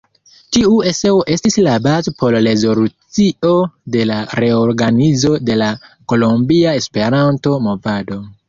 Tiu eseo estis la bazo por rezolucio de reorganizo de la Kolombia Esperanto-Movado.